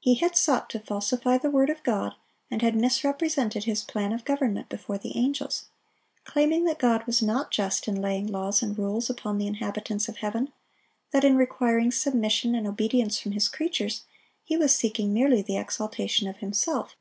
He had sought to falsify the word of God, and had misrepresented His plan of government before the angels, claiming that God was not just in laying laws and rules upon the inhabitants of heaven; that in requiring submission and obedience from His creatures, He was seeking merely the exaltation of Himself.